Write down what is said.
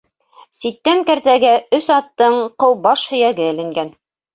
Ситән кәртәгә өс аттың ҡыу баш һөйәге эленгән.